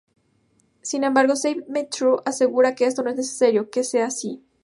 Sin embargo, Save Me Trust, asegura que esto no es necesario que sea así.